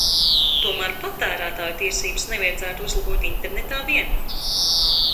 Tomēr patērētāju tiesības nevajadzētu uzlabot internetā vien.